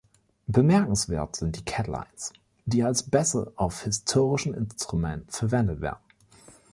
Bemerkenswert sind die „Catlines“, die als Bässe auf historischen Instrumenten verwendet werden.